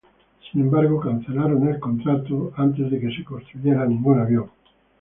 Sin embargo, el contrato fue cancelado antes de que ningún avión fuese construido.